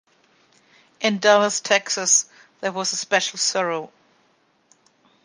In Dallas, Texas, there was a special sorrow.